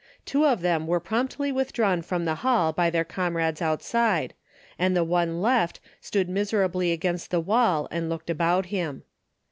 Two of them were promptly withdrawn from the hall by their comrades outside, and the one left stood miserably against the wall and looked about him.